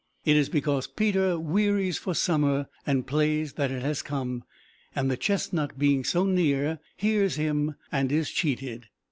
It is because Peter wearies for summer and plays that it has come, and the chestnut being so near, hears him and is cheated.